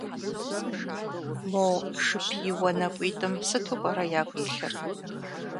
Мо жыпиуэ нэкӏуитӏым сыту пӏэрэ ягу илъыр?